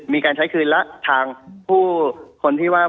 มีการใช้คืนแล้วทางผู้คนที่ว่า